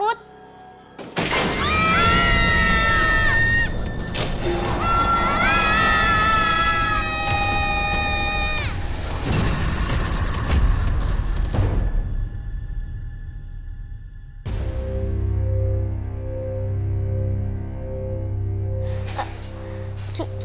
uuat ini pas pak